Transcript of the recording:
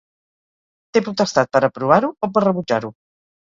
Té potestat per aprovar-ho o per rebutjar-ho.